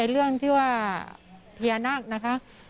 เรื่องที่ว่าเพียนักนะคะ